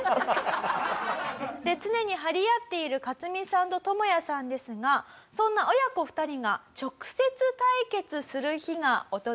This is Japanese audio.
常に張り合っているカツミさんとトモヤさんですがそんな親子２人が直接対決する日が訪れます。